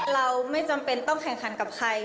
เราไม่จำเป็นต้องแข่งขันกับใคร